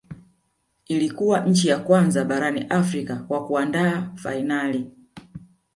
Ilikuwa nchi ya kwanza barani Afrika kwa kuandaa fainali